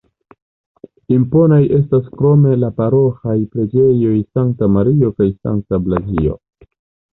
Imponaj estas krome la paroĥaj preĝejoj Sankta Mario kaj Sankta Blazio.